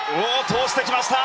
通してきました。